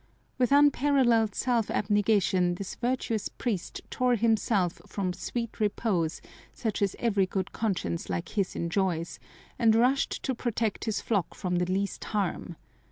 With unparalleled self abnegation this virtuous priest tore himself from sweet repose, such as every good conscience like his enjoys, and rushed to protect his flock from the least harm.